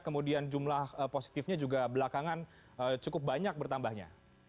kemudian jumlah positifnya juga belakangan cukup banyak bertambahnya